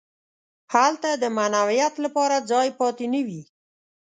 هلته د معنویت لپاره ځای پاتې نه وي.